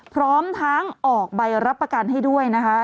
พร้อมทั้งออกใบรับประกันให้ด้วยนะคะ